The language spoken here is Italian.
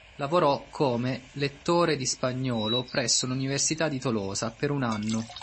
Lavorò come lettore di spagnolo presso l'Università di Tolosa per un anno.